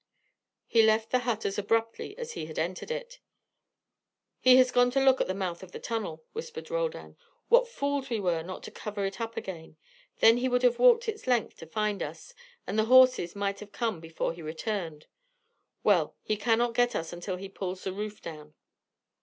He left the hut as abruptly as he had entered it. "He has gone to look at the mouth of the tunnel," whispered Roldan. "What fools we were not to cover it up again. Then he would have walked its length to find us, and the horses might have come before he returned. Well, he cannot get us until he pulls the roof down."